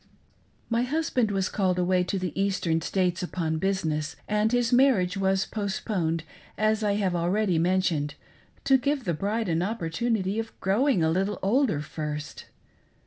My husband was called away to the Eastern States upon business, and his marriage was 'postponed, as I have already mentioned, to give the bride an opportunity of growing a little older first.